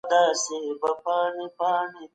زده کوونکي باید خپل درس ولولي.